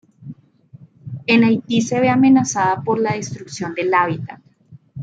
En Haití se ve amenazada por la destrucción del hábitat.